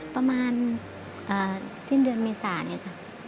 ประมาณสิ้นเดือนเมษาเนี่ยค่ะ